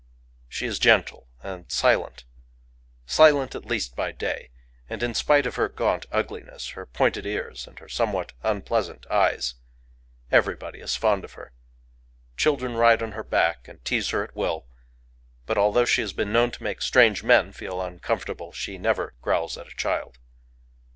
She is gentle and silent,—silent at least by day; and in spite of her gaunt ugliness, her pointed ears, and her somewhat unpleasant eyes, everybody is fond of her. Children ride on her back, and tease her at will; but although she has been known to make strange men feel uncomfortable, she never growls at a child.